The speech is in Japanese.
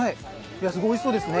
すごいおいしそうですね。